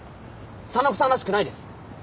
沙名子さんらしくないです。